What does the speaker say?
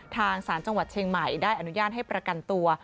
ทางศาลจังหวัดเชียงใหม่ได้อนุญาตให้ประกันตัว